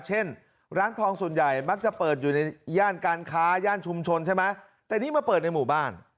เช่นร้านทองส่วนใหญ่มักจะเปิดอยู่ในย่านการค้าย่านชุมชนใช่ไหมแต่นี่มาเปิดในหมู่บ้าน